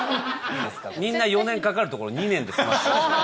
みんな４年かかるところ２年で済ませた。